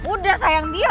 udah sayang diam